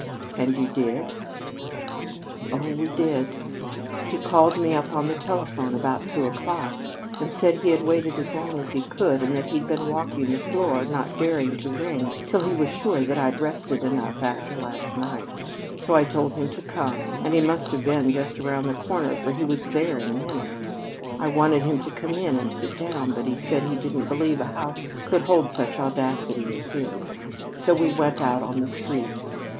"And you did?" "Oh, we did. He called me up on the telephone about two o'clock, and said he had waited as long as he could, and that he'd been walking the floor, not daring to ring till he was sure that I'd rested enough after last night. So I told him to come, and he must have been just around the corner, for he was there in a minute. I wanted him to come in and sit down, but he said he didn't believe a house could hold such audacity as his. So we went out on the street.